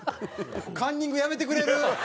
カンニングやめてくれる？